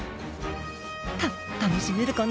た楽しめるかな？